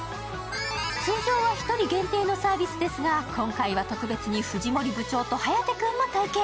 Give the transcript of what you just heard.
通常は１人限定のサービスですが今回は特別に藤森部長と颯君も体験。